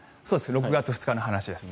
６月２日の話です。